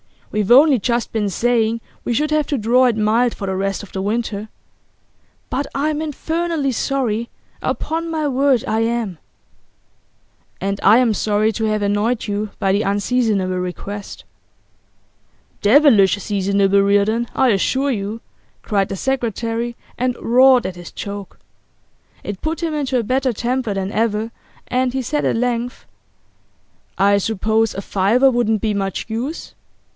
We've only just been saying we should have to draw it mild for the rest of the winter. But I'm infernally sorry; upon my word I am.' 'And I am sorry to have annoyed you by the unseasonable request.' 'Devilish seasonable, Reardon, I assure you!' cried the secretary, and roared at his joke. It put him into a better temper than ever, and he said at length: 'I suppose a fiver wouldn't be much use?